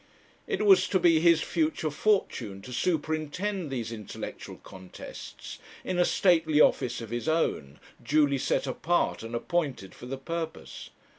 It was to be his future fortune to superintend these intellectual contests, in a stately office of his own, duly set apart and appointed for the purpose.